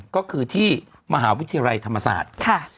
ก็คือที่มหาวิทยาลัยธรรมศาสตร์